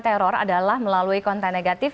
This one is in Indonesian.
teror adalah melalui konten negatif